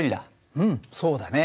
うんそうだね。